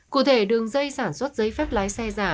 cụ thể đường dây sản xuất giấy phép lái xe giả